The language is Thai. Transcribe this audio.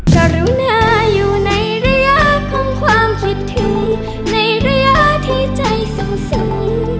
ถ้าปลิ้นปลอกก็หลอกก็ลิ้น